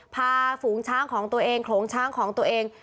ฝูงช้างของตัวเองโขลงช้างของตัวเอง